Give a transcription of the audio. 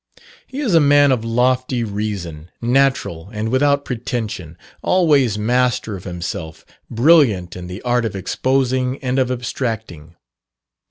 He is a man of lofty reason, natural, and without pretension, always master of himself, brilliant in the art of exposing and of abstracting.